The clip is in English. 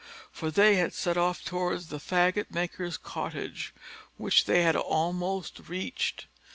For they had set off towards the faggot maker's cottage, which they had almost reached.